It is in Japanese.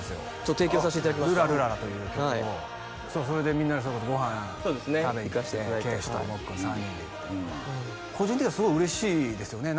提供させていただきました「ルラルララ」という曲をそうそれでみんなでそれこそご飯食べに行って圭史ともっくん３人で行って個人的にはすごい嬉しいですよね